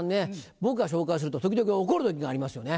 僕が紹介すると時々怒る時がありますよね。